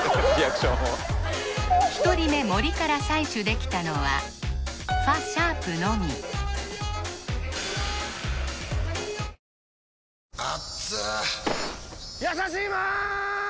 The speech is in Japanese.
１人目森から採取できたのはファ♯のみやさしいマーン！！